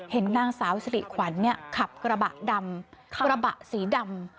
เห็นนางสาวสริขวัญนี่ขับกระบะสีดำ